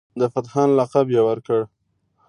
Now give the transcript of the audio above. د پتهان لقب یې ورکړ.